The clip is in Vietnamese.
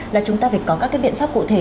là chúng ta phải có các cái biện pháp cụ thể